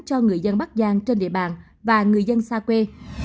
cho người dân bắc giang trên địa bàn và người dân xa quê